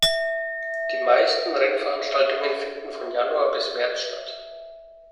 Die meisten Rennveranstaltungen finden von Januar bis März statt.